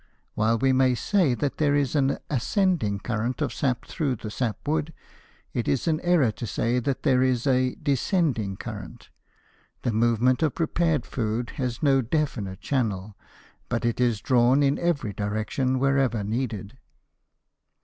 While we may say that there is an "ascending current" of sap through the sap wood, it is an error to say that there is a "descending current." The movement of prepared food has no definite channel, but it is drawn in every direction wherever needed.